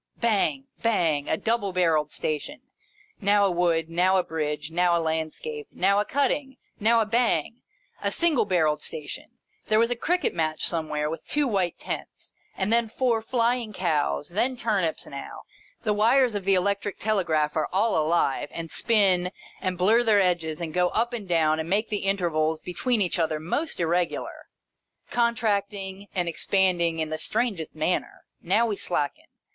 Bang, bang ! A double barrelled Station ! Now a wood, now a bridge, now a landscape, now a cutting, now a Bang ! a single barrelled Station — there was a cricket match somewhere with two white tents, and then four flying cows, then turnips — now, the wires of the electric telegraph are all alive, and spin, and blurr their edges, and go up and down, and make the intervals between each other most irre gular : contracting and expanding in the strangest manner. Now we slacken.